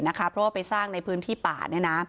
เพราะว่าไปสร้างในพื้นที่ป่า